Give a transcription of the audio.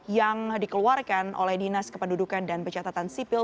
yang dikeluarkan oleh dinas kependudukan dan pencatatan sipil